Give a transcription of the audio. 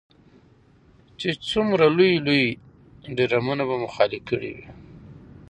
چې څومره لوی لوی ډرمونه به مو خالي کړي وي.